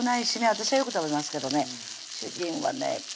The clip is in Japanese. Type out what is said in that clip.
私はよく食べますけどね主人はね